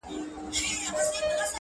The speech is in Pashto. څنگ ته چي زه درغــــلـم،